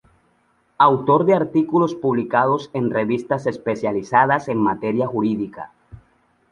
Autor de artículos publicados en Revistas Especializadas en materia jurídica.